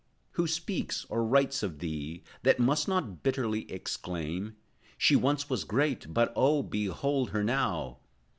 Who speaks, or writes of thee, That must not bitterly exclaim: "She once was great, but, oh, behold her now"?